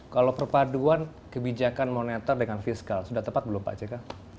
kalau perpaduan kebijakan moneter dengan fiskal sudah tepat belum pak jk